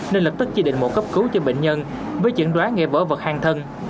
nên lập tức chỉ định mổ cấp cứu cho bệnh nhân với chẩn đoán nghệ vở vật hang thân